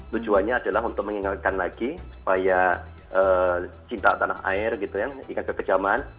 tujuannya adalah untuk mengingatkan lagi supaya cinta tanah air gitu ya ikat kekejaman